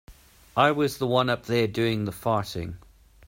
I was the one up there doing the farting.